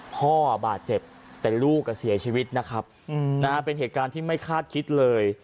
พ่อบาดเจ็บแต่ลูกเสียชีวิตนะครับเป็นเหตุการณ์ที่ไม่คาดคิดเลย